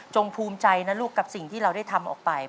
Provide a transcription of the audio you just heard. ภูมิใจนะลูกกับสิ่งที่เราได้ทำออกไป